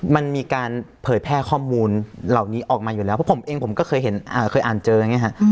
มันมีการเผยแพร่ข้อมูลเหล่านี้ออกมาอยู่แล้วเพราะผมเองผมก็เคยอ่านเจออย่างนี้ฮะ